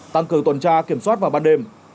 tăng cường tuần tra kiểm soát vào ban đêm